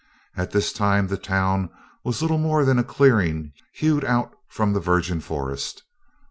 At this time the town was little more than a clearing hewed out from the virgin forest.